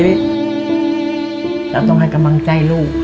เราต้องให้กำลังใจลูก